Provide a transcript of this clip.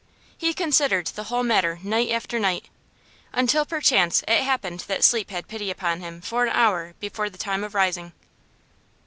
He considered the whole matter night after night, until perchance it happened that sleep had pity upon him for an hour before the time of rising.